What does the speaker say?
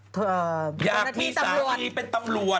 ชนะที่ตำรวจ